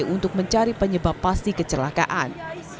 untuk mencari penyebab pasti kecelakaan